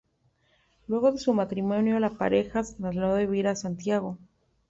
Luego de su matrimonio, la pareja se trasladó a vivir a Santiago.